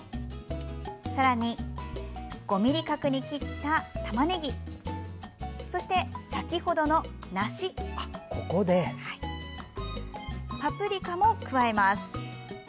さらに、５ｍｍ角に切ったたまねぎそして先程の梨パプリカも加えます。